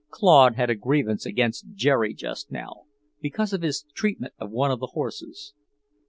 Claude had a grievance against Jerry just now, because of his treatment of one of the horses.